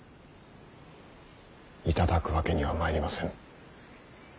頂くわけにはまいりません。